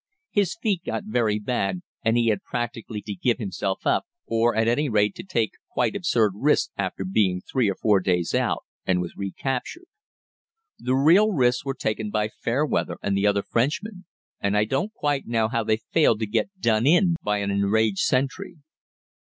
His feet got very bad and he had practically to give himself up, or at any rate to take quite absurd risks after being three or four days out, and was recaptured. The real risks were taken by Fairweather and the other Frenchman, and I don't quite know how they failed to get "done in" by an enraged sentry.